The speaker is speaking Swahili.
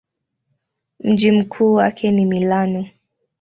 Mji mkuu wake ni Milano.